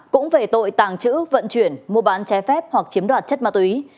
cũng về tội tàng trữ vận chuyển mua bán trái phép hoặc chiếm đoạt chất ma túy